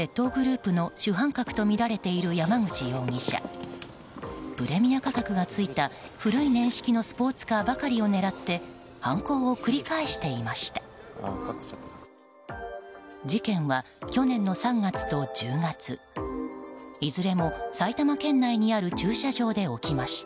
プレミア価格がついた古い年式のスポーツカーばかりを狙って犯行を繰り返していました。